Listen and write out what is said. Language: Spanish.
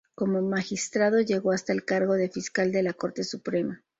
Como magistrado llegó hasta el cargo de Fiscal de la Corte Suprema.